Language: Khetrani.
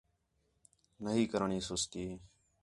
نہی کرݨی سُستی